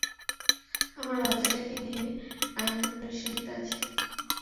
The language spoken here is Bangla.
আমার বাচ্চাটাকেই নিয়ে এখন পেরেশানিতে আছি!